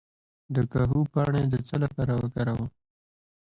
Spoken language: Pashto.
د کاهو پاڼې د څه لپاره وکاروم؟